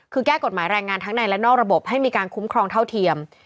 คือแก้กฎหมายแรงงานทั้งในและนอกระบบให้มีการคุ้มครองเท่าเทียม